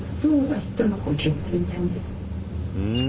うん。